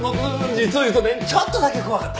実を言うとねちょっとだけ怖かった。